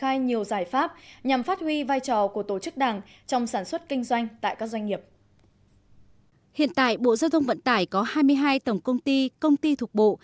hiện tại giao thông vận tải có hai mươi hai tổng công ty công ty thuộc bộ